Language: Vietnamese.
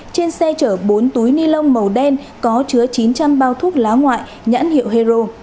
trên xe chở bốn túi ni lông màu đen có chứa chín trăm linh bao thuốc lá ngoại nhãn hiệu hero